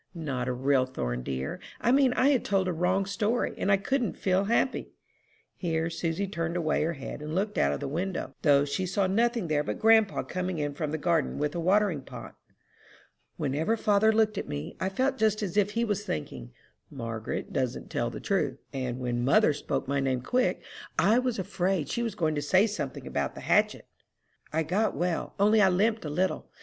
"Not a real thorn, dear. I mean I had told a wrong story, and I couldn't feel happy." Here Susy turned away her head and looked out of the window, though she saw nothing there but grandpa coming in from the garden with a watering pot. "Whenever father looked at me, I felt just as if he was thinking, 'Margaret doesn't tell the truth;' and when mother spoke my name quick, I was afraid she was going to say something about the hatchet." "I got well, only I limped a little.